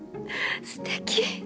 すてき！